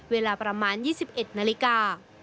เวลาประมาณ๒๑นาฬิกา